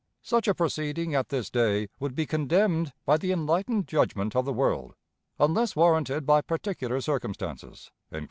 Such a proceeding at this day would be condemned by the enlightened judgment of the world, unless warranted by particular circumstances."